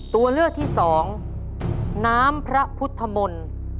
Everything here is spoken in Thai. ตัวเลือกที่สองน้ำพระพุทธมนต์